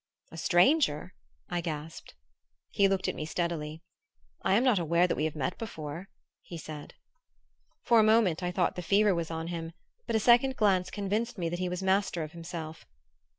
"A stranger?" I gasped. He looked at me steadily. "I am not aware that we have met before," he said. For a moment I thought the fever was on him; but a second glance convinced me that he was master of himself.